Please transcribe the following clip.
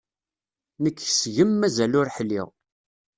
Nekk seg-m mazal ur ḥliɣ.